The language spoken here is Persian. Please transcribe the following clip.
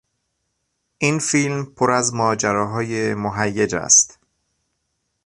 این فیلم پر از ماجراهای مهیج است.